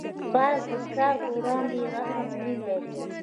باز د ښکار پر وړاندې رحم نه لري